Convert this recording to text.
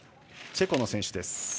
チェコの選手です。